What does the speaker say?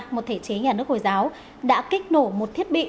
một thể chế nhà nước hồi giáo đã kích nổ một thiết bị